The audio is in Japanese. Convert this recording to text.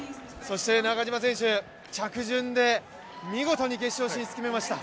中島選手、着順で見事に決勝進出決めました。